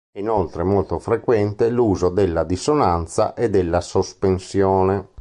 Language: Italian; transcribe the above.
È inoltre molto frequente l'uso della dissonanza e della sospensione.